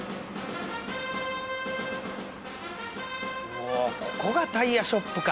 うわここがタイヤショップか。